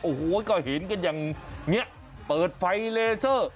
โอ้โหก็เห็นกันอย่างนี้เปิดไฟเลเซอร์